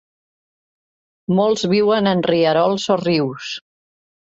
Molts viuen en rierols o rius.